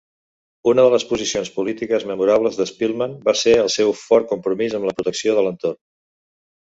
Una de les posicions polítiques memorables de Spellman va ser el seu fort compromís amb la protecció de l'entorn.